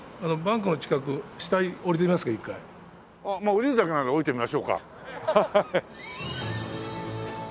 下りるだけなら下りてみましょうか。